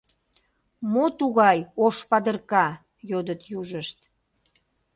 — Мо тугай ош падырка? — йодыт южышт.